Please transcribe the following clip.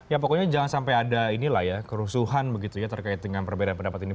ya pokoknya jangan sampai ada inilah ya kerusuhan begitu ya terkait dengan perbedaan pendapat ini